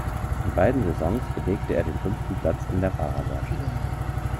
In beiden Saisons belegte er den fünften Platz in der Fahrerwertung.